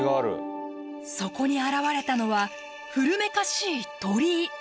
そこに現れたのは古めかしい鳥居。